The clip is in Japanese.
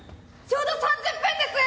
ちょうど３０分です！